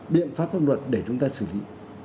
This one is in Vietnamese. điện pháp pháp luật để chúng ta xử lý